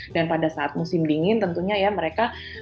dan pada saat musim dingin tentunya ya mereka